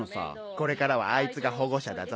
これからはあいつが保護者だぞ。